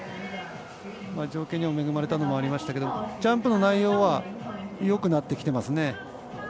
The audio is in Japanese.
条件にも恵まれたのもありましたけれどもジャンプの内容はよくなってきていますね。